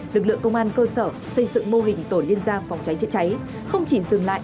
lực lượng công an cơ sở xây dựng mô hình tổ liên gia phòng cháy chữa cháy không chỉ dừng lại